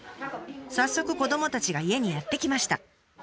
早速子どもたちが家にやって来ました。